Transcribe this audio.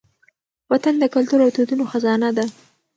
وطن د کلتور او دودونو خزانه ده.